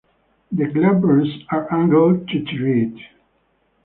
The glabrous are angled to terete.